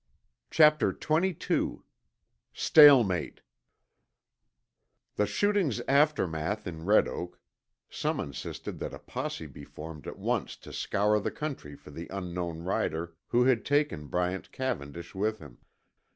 Chapter XXII STALEMATE The shooting's aftermath in Red Oak: Some insisted that a posse be formed at once to scour the country for the unknown rider who had taken Bryant Cavendish with him.